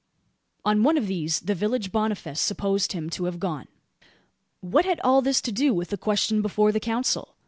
On one of these the village Boniface supposed him to have gone. What had all this to do with the question before the council?